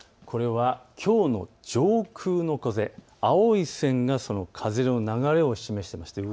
これはきょうの上空の風、青い線がその風の流れを示しています。